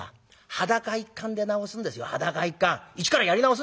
裸一貫出直すんですよ！」。